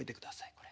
これ。